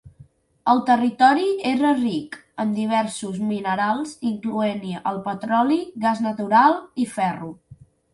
El territori era ric en diversos minerals, incloent-hi petroli, gas natural i ferro.